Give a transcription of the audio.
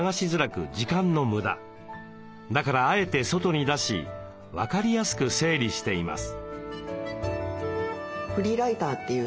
だからあえて外に出し分かりやすく整理しています。